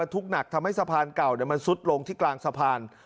ทุกข์หนักทำให้สะพานเก่ามันซุดลงที่กลางสะพาน